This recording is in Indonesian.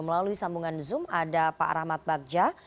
melalui sambungan zoom ada pak rahmat bagja